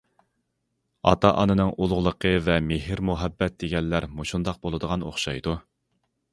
ئاتا- ئانىنىڭ ئۇلۇغلۇقى ۋە مېھىر- مۇھەببەت دېگەنلەر مۇشۇنداق بولىدىغان ئوخشايدۇ.